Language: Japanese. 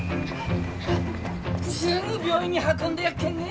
すぐ病院に運んでやっけんね。